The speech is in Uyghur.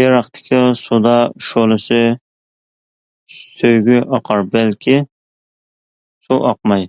ئېرىقتىكى سۇدا شولىسى سۆيگۈ ئاقار بەلكى سۇ ئاقماي.